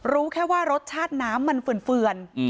รู้แค่ว่ารสชาติน้ำมันเฟือน